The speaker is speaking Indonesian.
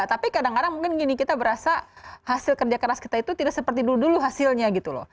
tapi kadang kadang mungkin gini kita berasa hasil kerja keras kita itu tidak seperti dulu dulu hasilnya gitu loh